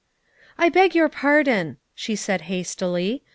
"I beg your pardon," she said hastily.